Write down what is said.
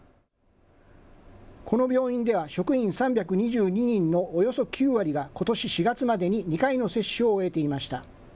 この病院では職員３２２人のおよそ９割がことし４月までに２回の接種を終えていました。